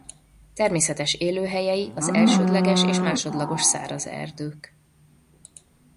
Természetes élőhelyei a elsődleges és másodlagos száraz erdők.